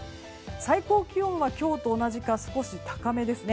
最高気温は今日と同じか少し高めですね。